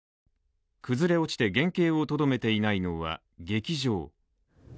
崩れ落ちて原形をとどめていないのは劇場。